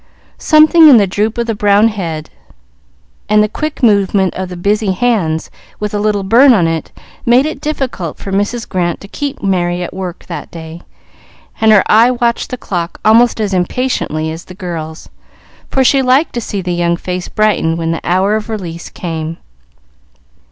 Something in the droop of the brown head, and the quick motion of the busy hand with a little burn on it, made it difficult for Mrs. Grant to keep Merry at work that day, and her eye watched the clock almost as impatiently as the girl's, for she liked to see the young face brighten when the hour of release came.